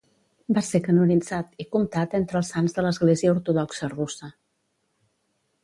Va ser canonitzat i comptat entre els sants de l'església ortodoxa russa.